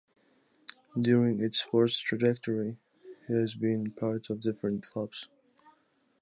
During its sports trajectory, he has been parts of different clubs.